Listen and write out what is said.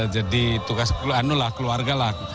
jadi tugas keluarga lah